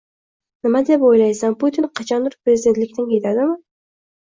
- Nima deb o'ylaysan Putin qachondir prezidentlikdan ketadimi?